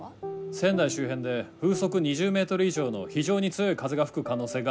仙台周辺で風速２０メートル以上の非常に強い風が吹く可能性があります。